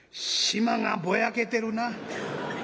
「縞がぼやけてるな」。